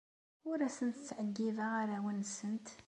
Ur asent-ttɛeyyibeɣ arraw-nsent.